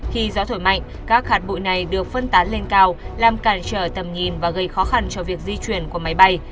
khi gió thổi mạnh các hạt bụi này được phân tán lên cao làm cản trở tầm nhìn và gây khó khăn cho việc di chuyển của máy bay